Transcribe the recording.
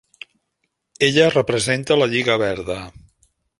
Ella representa la Lliga verda.